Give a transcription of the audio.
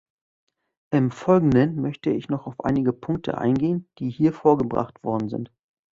Im folgenden möchte ich noch auf einige Punkte eingehen, die hier vorgebracht worden sind.